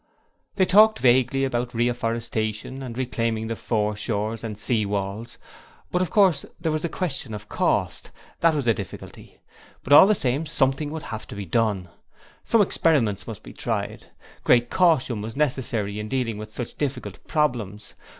They talked vaguely about Re afforestation, and Reclaiming of Foreshores, and Sea walls: but of course there was the question of Cost! that was a difficulty. But all the same Something would have to be done. Some Experiments must be tried! Great caution was necessary in dealing with such difficult problems!